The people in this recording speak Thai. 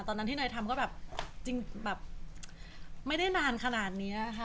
ตอนนั้นที่นายทำก็แบบจริงแบบไม่ได้นานขนาดนี้ค่ะ